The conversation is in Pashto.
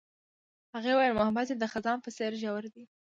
هغې وویل محبت یې د خزان په څېر ژور دی.